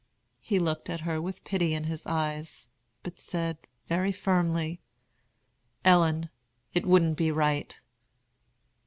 He looked at her with pity in his eyes, but said, very firmly, "Ellen, it wouldn't be right."